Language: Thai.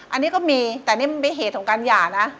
อันนี้ก็มีแต่นี่ไม่เหตุของการหย่า